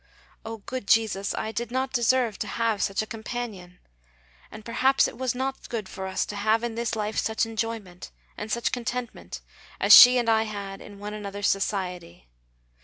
O good Jesus, I did not deserve to have such a companion, and perhaps it was not good for us to have in this life such enjoyment and such contentment as she and I had in one another's society.